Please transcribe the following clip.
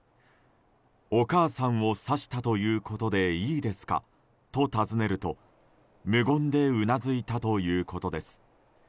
お母さんを刺したということでいいですか？と尋ねると無言でうなずいたということです。